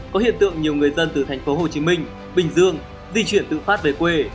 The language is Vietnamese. có hiện tượng nhiều người dân từ thành phố hồ chí minh bình dương di chuyển tự phát về quê